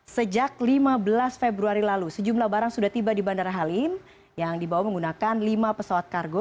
sejak lima belas februari lalu sejumlah barang sudah tiba di bandara halim yang dibawa menggunakan lima pesawat kargo